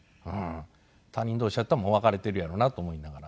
他人同士やったらもう別れているやろうなと思いながら。